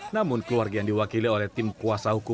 namun keluarga yang diwakili oleh tim kuasa hukum